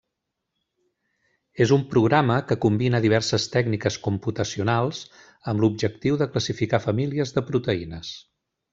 És un programa que combina diverses tècniques computacionals amb l'objectiu de classificar famílies de proteïnes.